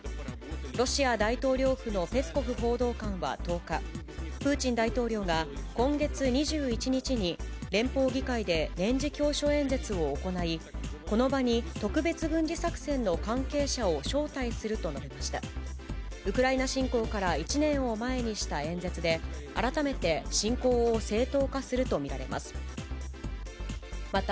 ロシア大統領府のペスコフ報道官は１０日、プーチン大統領が今月２１日に連邦議会で年次教書演説を行い、この場に特別軍事作戦の関係者を招待すると述べました。